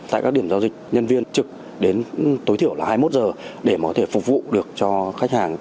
tại các điểm giao dịch nhân viên trực đến tối thiểu là hai mươi một giờ để có thể phục vụ được cho khách hàng